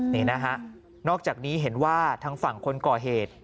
นี่นะฮะนอกจากนี้เห็นว่าทางฝั่งคนก่อเหตุ